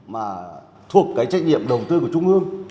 mà thuộc cái trách nhiệm đầu tư của trung ương